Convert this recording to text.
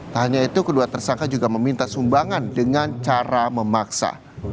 tak hanya itu kedua tersangka juga meminta sumbangan dengan cara memaksa